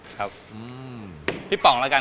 กรุงเทพหมดเลยครับ